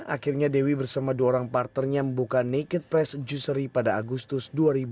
akhirnya dewi bersama dua orang parternya membuka naked press juicery pada agustus dua ribu dua puluh